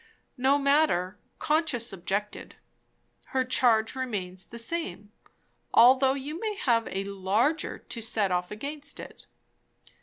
No matter, conscience objected; her charge remains the same, although you may have a larger to set off against it.